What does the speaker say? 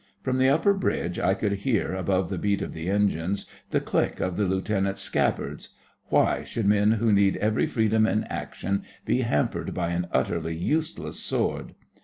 From the upper bridge I could hear, above the beat of the engines, the click of the Lieutenants' scabbards (Why should men who need every freedom in action be hampered by an utterly useless sword?)